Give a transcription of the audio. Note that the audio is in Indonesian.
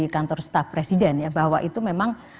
kantor staf presiden ya bahwa itu memang